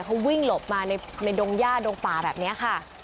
เขาวิ่งหลบมาในดงย่าดงป่าแบบนี้ค่ะ